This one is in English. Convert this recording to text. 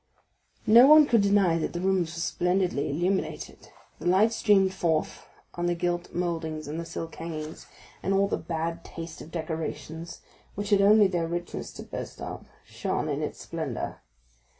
50025m No one could deny that the rooms were splendidly illuminated; the light streamed forth on the gilt mouldings and the silk hangings; and all the bad taste of decorations, which had only their richness to boast of, shone in its splendor.